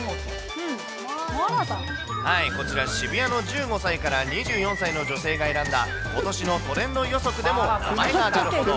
こちら、渋谷の１５歳から２４歳の女性が選んだことしのトレンド予測でも名前が挙がるほど。